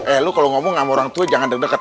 eh lu kalau ngomong sama orang tua jangan deket deket